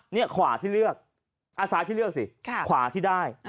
นี่ขวาที่เลือกซ้ายที่เลือกสิขวาที่ได้